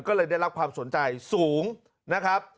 ก็เลยได้รับความสนใจสูงนะครับ